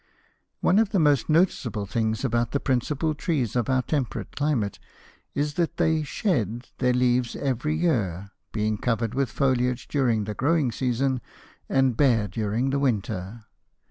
One of the most noticeable things about the principal trees of our temperate climate is that they "shed" their leaves every year, being covered with foliage during the growing season and bare during the winter.